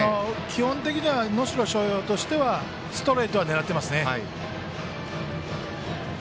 基本的には能代松陽はストレートを狙っていますね。